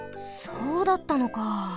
そうだったのか。